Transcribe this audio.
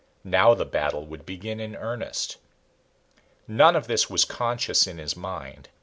Now the battle would begin in earnest. None of this was conscious in his mind.